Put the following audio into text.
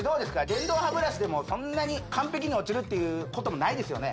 電動歯ブラシでもそんなに完璧に落ちるっていうこともないですよね